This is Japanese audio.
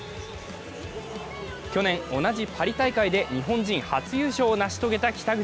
去年、同じパリ大会で日本人初優勝を成し遂げた北口。